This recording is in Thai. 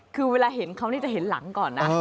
คือเวลาเห็นเขานี่จะเห็นหลังก่อนนะ